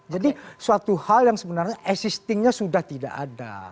jadi suatu hal yang sebenarnya existing nya sudah tidak ada